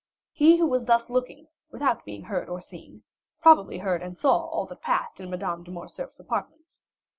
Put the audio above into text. He who was thus looking, without being heard or seen, probably heard and saw all that passed in Madame de Morcerf's apartments.